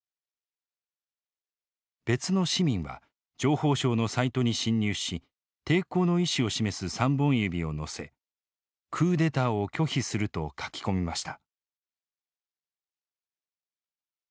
別の市民は情報省のサイトに侵入し抵抗の意思を示す３本指を載せ「クーデターを拒否する」と書き込みました。